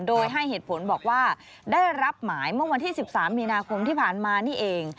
โดยให้เหตุผลบอกว่าได้รับหมายเมื่อวันที่๑๓มีนาคมที่ผ่านมานี่เอง